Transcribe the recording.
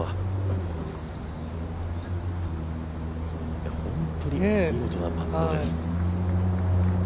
いや、本当に見事なパットです。